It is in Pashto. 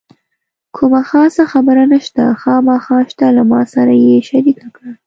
کومه خاصه خبره نشته، خامخا شته له ما سره یې شریکه کړه.